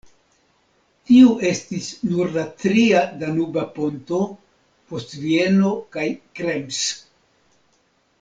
Tiu estis nur la tria Danuba ponto, post Vieno kaj Krems.